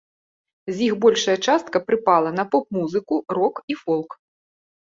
З іх большая частка прыпала на поп-музыку, рок і фолк.